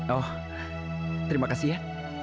oh terima kasih ya